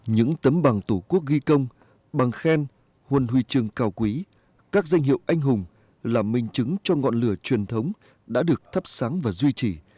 những tấm bằng tổ quốc ghi công bằng khen huân huy trường cao quý các danh hiệu anh hùng là minh chứng cho ngọn lửa truyền thống đã được thắp sáng và duy trì